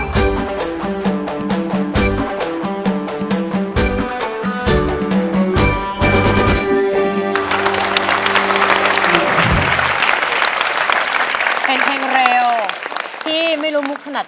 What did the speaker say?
เห็นไหมครับ